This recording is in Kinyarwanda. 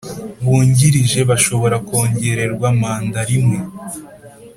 Bungirije bashobora kongererwa manda rimwe